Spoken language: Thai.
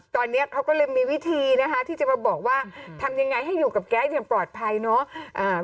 ตอนนี้เขาก็เลยมีวิธีนะคะที่จะมาบอกว่าทำยังไงให้อยู่กับแก๊สอย่างปลอดภัยเนาะ